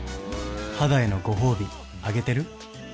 肌へのご褒美、あげてる？